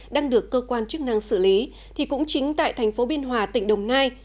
đang được cơ quan chức năng xử lý thì cũng chính tại thành phố biên hòa tỉnh đồng nai